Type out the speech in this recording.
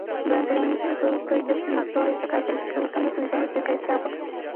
Durante el anuncio del producto, Jobs demostró esta característica buscando posiciones cerca de Starbucks.